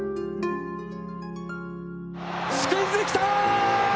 スクイズ来たー！